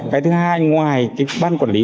cái thứ hai ngoài ban quản lý